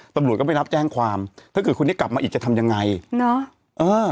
ตำรวจก็ไม่รับแจ้งความถ้าเกิดคนนี้กลับมาอีกจะทำยังไงเนอะเออ